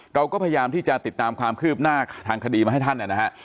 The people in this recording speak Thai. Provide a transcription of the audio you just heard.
เราก็พยายามที่จะติดตามความคืบหน้าทางคดีมาให้ท่านนะฮะ